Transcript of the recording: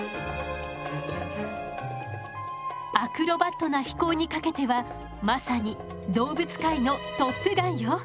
アクロバットな飛行にかけてはまさに動物界のトップガンよ。